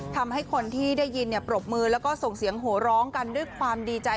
ทำให้คนที่ได้ยินปรบมือแล้วก็ส่งเสียงโหร้องกันด้วยความดีใจ